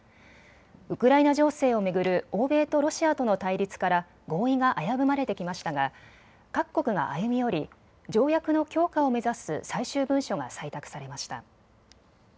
ウクライナ情勢を巡る欧米とロシアとの対立から合意が危ぶまれてきましたが各国が歩み寄り、条約の強化を目指す最終文書が採択されました。